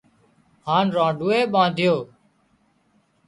هانَ رانڍوئي ٻاڌيو